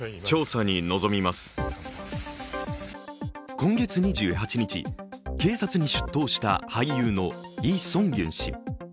今月２８日、警察に出頭した俳優のイ・ソンギュン氏。